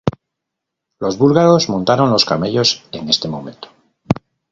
Los búlgaros montaron los camellos en este momento.